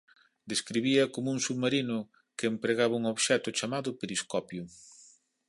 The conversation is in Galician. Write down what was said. Describía como un submarino que empregaba un obxecto chamado periscopio.